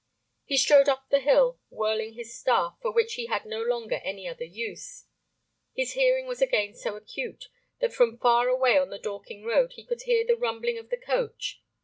He strode up the hill whirling his staff, for which he had no longer any other use. His hearing was again so acute that from far away on the Dorking road he could hear the rumbling of a coach.